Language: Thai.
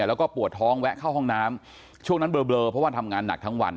แล้วก็ปวดท้องแวะเข้าห้องน้ำช่วงนั้นเบลอเพราะว่าทำงานหนักทั้งวัน